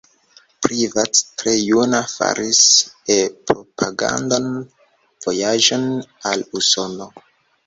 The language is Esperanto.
Privat tre juna faris E-propagandan vojaĝon al Usono.